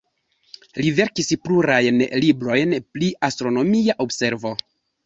Li verkis plurajn librojn pri astronomia observo.